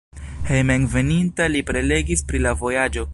Hejmenveninta li prelegis pri la vojaĝo.